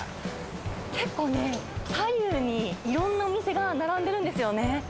結構ね、左右にいろんなお店が並んでるんですよね。